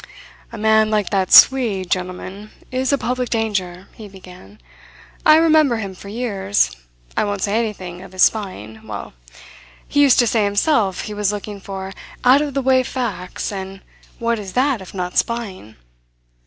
"A man like that Swede, gentlemen, is a public danger," he began. "I remember him for years. I won't say anything of his spying well, he used to say himself he was looking for out of the way facts and what is that if not spying?